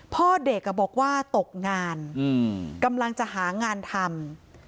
พ่อเด็กบอกว่าตกงานกำลังจะหางานทำ